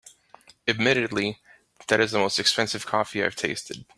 Admittedly, that is the most expensive coffee I’ve tasted.